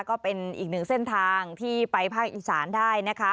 ก็เป็นอีกหนึ่งเส้นทางที่ไปภาคอีสานได้นะคะ